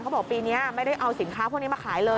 บอกปีนี้ไม่ได้เอาสินค้าพวกนี้มาขายเลย